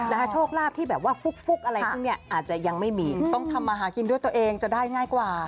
โชคลาภที่แบบว่าฟุกอะไรพวกนี้อาจจะยังไม่มีต้องทำมาหากินด้วยตัวเองจะได้ง่ายกว่า